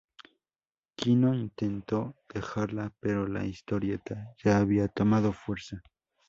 Quino intentó dejarla pero la historieta ya había tomado fuerza.